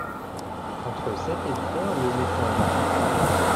Entre sept et huit heures le médecin vint.